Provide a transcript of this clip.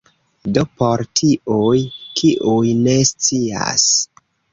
Do por tiuj, kiuj ne scias